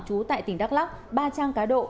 chú tại tỉnh đắk lóc ba trang cá độ